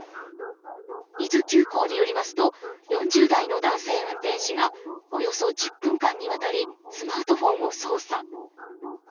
伊豆急行によりますと４０代の男性運転士がおよそ１０分間にわたりスマートフォンを操作。